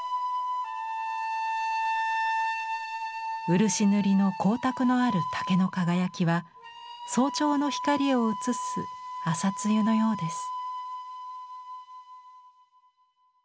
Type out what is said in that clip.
漆塗りの光沢のある竹の輝きは早朝の光をうつす朝露のようです。